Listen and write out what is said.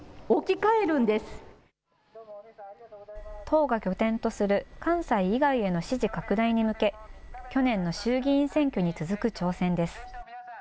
党が拠点とする関西以外への支持拡大に向け、去年の衆議院選挙に続く挑戦です。